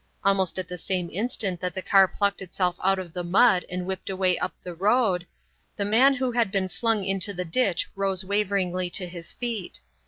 Almost at the same instant that the car plucked itself out of the mud and whipped away up the road, the man who had been flung into the ditch rose waveringly to his feet.